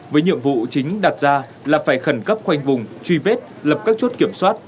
với nhiệm vụ chính đặt ra là phải khẩn cấp khoanh vùng truy vết lập các chốt kiểm soát